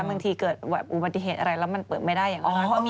บางทีเกิดอุบัติเหตุอะไรแล้วมันเปิดไม่ได้อย่างนั้น